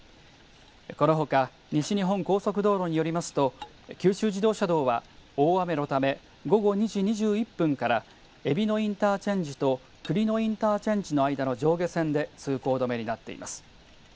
このほか西日本高速道路によりますと九州自動車道は、大雨のため午後２時２１分からえびのインターチェンジと栗野インターチェンジの間の上下線で通行止めになっています。